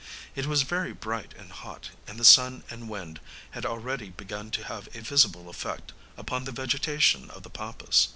It was very bright and hot, and the sun and wind had already begun to have a visible effect upon the vegetation of the Pampas.